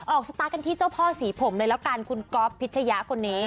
สตาร์ทกันที่เจ้าพ่อสีผมเลยแล้วกันคุณก๊อฟพิชยะคนนี้